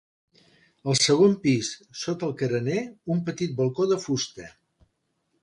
Al segon pis, sota el carener, un petit balcó de fusta.